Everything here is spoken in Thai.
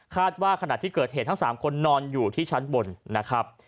ว่าขณะที่เกิดเหตุทั้ง๓คนนอนอยู่ที่ชั้นบนนะครับ